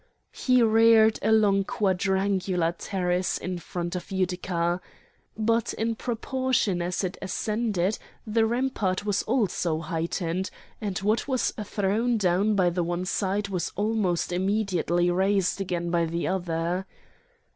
He reared a long quadrangular terrace in front of Utica, but in proportion as it ascended the rampart was also heightened, and what was thrown down by the one side was almost immediately raised again by the other.